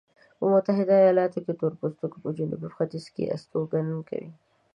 په متحده ایلاتونو کې تورپوستکي په جنوب ختیځ کې استوګنه کوي.